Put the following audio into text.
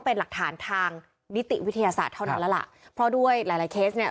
เป็นหลักฐานทางนิติวิทยาศาสตร์เท่านั้นแล้วล่ะเพราะด้วยหลายหลายเคสเนี่ย